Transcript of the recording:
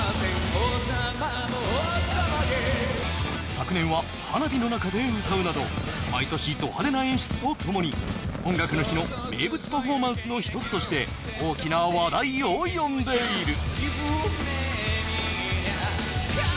昨年は花火の中で歌うなど毎年ド派手な演出とともに「音楽の日」の名物パフォーマンスの一つとして、大きな話題を呼んでいる。